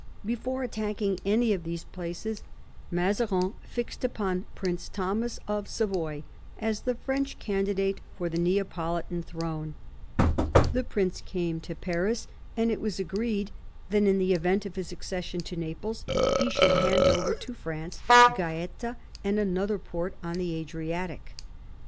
Before attacking any of these places, Mazarin fixed upon Prince Thomas of Savoy as the French candidate for the Neapolitan throne The prince came to Paris, and it was agreed that, in the event of his accession to Naples, he should hand over to France Gaeta and another port on the Adriatic.